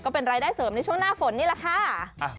เป็นรายได้เสริมในช่วงหน้าฝนนี่แหละค่ะ